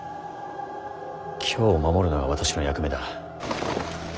京を守るのが私の役目だ。